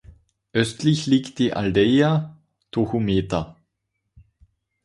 Östlich liegt die Aldeia Tohumeta.